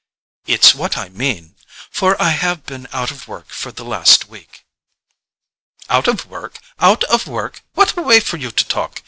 "It's what I mean; for I have been out of work for the last week." "Out of work—out of work! What a way for you to talk!